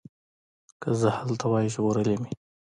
که زه هلته وای ژغورلي مي